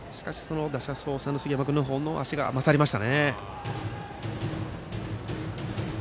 打者走者の杉山君の足の方が勝りましたね。